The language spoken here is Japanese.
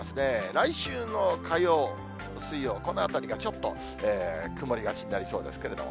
来週の火曜、水曜、このあたりがちょっと曇りがちになりそうですけれども。